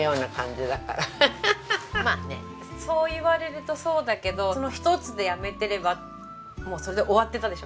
まあねそう言われるとそうだけどその一つでやめていればもうそれで終わってたでしょ。